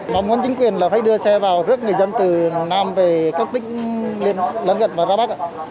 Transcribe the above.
mình muốn chính quyền phải đưa xe vào rước người dân từ nam về các tỉnh lớn gần và ra bắc